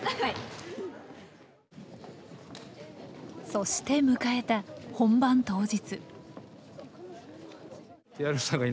そして迎えた本番当日。